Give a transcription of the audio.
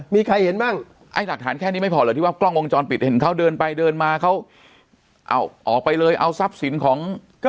มีใครเห็นบ้าง